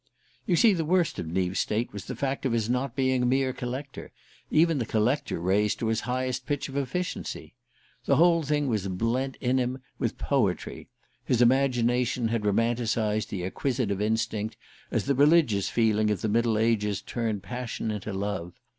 You see, the worst of Neave's state was the fact of his not being a mere collector, even the collector raised to his highest pitch of efficiency. The whole thing was blent in him with poetry his imagination had romanticized the acquisitive instinct, as the religious feeling of the Middle Ages turned passion into love.